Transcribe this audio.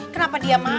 kenapa dia takut